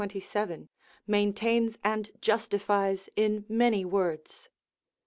et 27, maintains and justifies in many words.